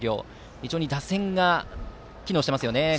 非常に打線が機能していますね。